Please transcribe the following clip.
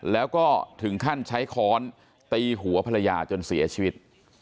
แล้วก็ถึงขั้นใช้ค้อนตีหัวภรรยาจนเสียชีวิต